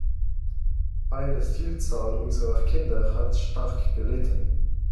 Eine Vielzahl unserer Kinder hat stark gelitten.